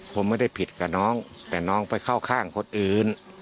ผมไม่ได้ผิดกับน้องแต่น้องไปเข้าข้างคนอื่น